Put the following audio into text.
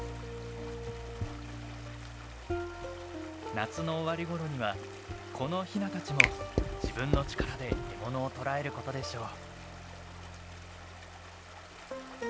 夏の終わり頃にはこのヒナたちも自分の力で獲物を捕らえることでしょう。